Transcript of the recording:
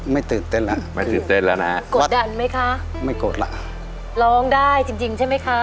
ตื่นเต้นแล้วไม่ตื่นเต้นแล้วนะฮะกดดันไหมคะไม่กดล่ะร้องได้จริงจริงใช่ไหมคะ